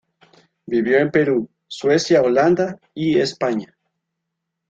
Vivió en Perú, Suecia, Holanda y España.